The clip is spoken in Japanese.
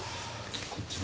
こっちも。